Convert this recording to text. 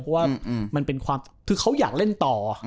เพราะว่ามันเป็นความคือเขาอยากเล่นต่อ